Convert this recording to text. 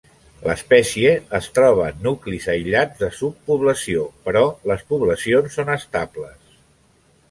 L'espècie es troba en nuclis aïllats de subpoblació però les poblacions són estables.